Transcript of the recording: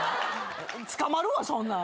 捕まるわそんなん。